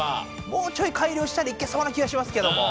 もうちょいかいりょうしたらいけそうなきはしますけども。